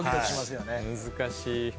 難しい。